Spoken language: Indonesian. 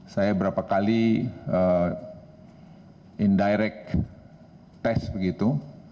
saya berapa kali indirect test begitu